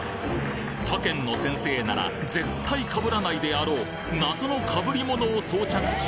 他県の先生なら絶対かぶらないであろう、謎のかぶりものを装着中。